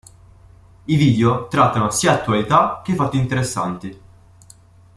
I video trattano sia attualità che fatti interessanti.